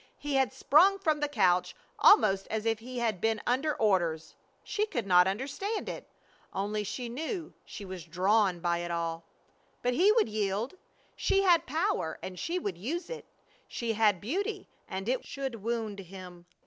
He had sprung from the couch almost as if he had been under orders. She could not understand it, only she knew she was drawn by it all. But he should yield! She had power and she would use it. She had beauty and it should wound him.